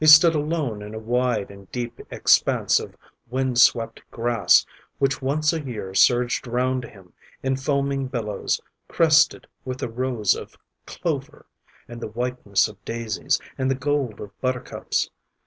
He stood alone in a wide and deep expanse of wind swept grass which once a year surged round him in foaming billows crested with the rose of clover, and the whiteness of daisies, and the gold of buttercups.